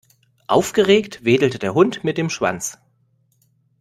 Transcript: Aufgeregt wedelte der Hund mit dem Schwanz.